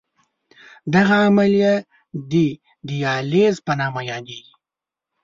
دغه عملیه د دیالیز په نامه یادېږي.